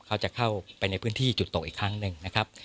เขาจะเข้าไปในพื้นที่จุดตกอีกครั้งหนึ่งนะครับ